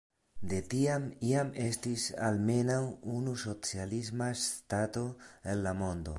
De tiam jam estis almenaŭ unu socialisma ŝtato en la mondo.